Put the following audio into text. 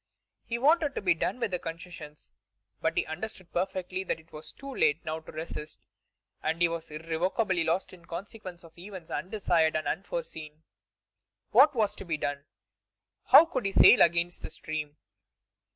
He wanted to be done with concessions, but he understood perfectly that it was too late now to resist, and that he was irrevocably lost in consequence of events undesired and unforeseen. What was to be done? How could he sail against the stream?